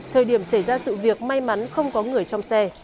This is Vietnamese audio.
thời điểm xảy ra sự việc may mắn không có người trong xe